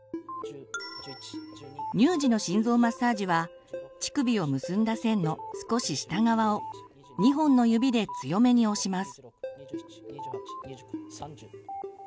乳児の心臓マッサージは乳首を結んだ線の少し下側を２本の指で強めに押します。